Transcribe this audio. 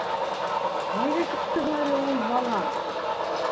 — Ҡайҙа китте һуң әле ул балам?